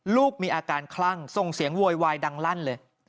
ลูกมีอาการคลั่งส่งเสียงโวยวายดังลั่นเลย